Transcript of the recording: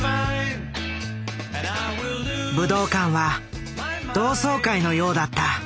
武道館は同窓会のようだった。